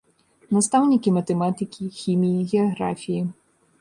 Настаўнікі матэматыкі, хіміі, геаграфіі.